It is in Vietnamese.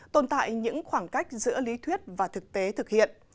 tồn tại những khoảng cách giữa lý thuyết và thực tế thực hiện